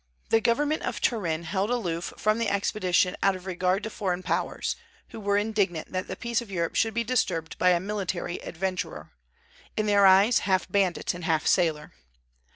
The government of Turin held aloof from the expedition out of regard to foreign Powers, who were indignant that the peace of Europe should be disturbed by a military adventurer, in their eyes, half bandit and half sailor.